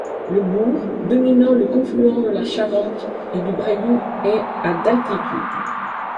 Le bourg, dominant le confluent de la Charente et du Braillou, est à d'altitude.